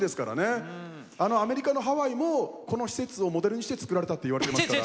あのアメリカのハワイもこの施設をモデルにしてつくられたっていわれてますから。